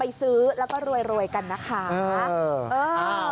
ไปซื้อแล้วก็รวยกันนะคะ